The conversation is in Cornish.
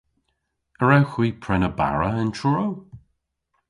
A wrewgh hwi prena bara yn Truru?